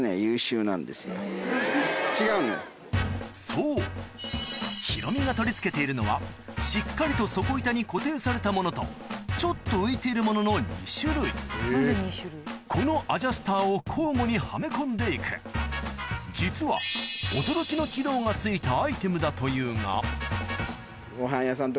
そうヒロミが取り付けているのはしっかりと底板に固定されたものとちょっと浮いているもののこのアジャスターを交互にはめ込んで行く実は付いたアイテムだというがっていう時あるじゃん